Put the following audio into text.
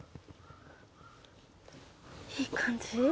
いい感じ？